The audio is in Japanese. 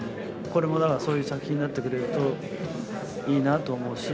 これもだからそういう作品になってくれるといいなと思うし。